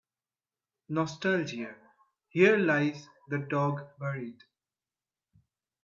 nostalgia Here lies the dog buried